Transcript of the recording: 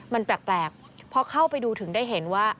มันแปลกพอเข้าไปดูถึงได้เห็นว่า